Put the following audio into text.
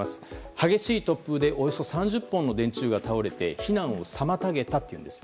激しい突風でおよそ３０本の電柱が倒れて避難を妨げたといいます。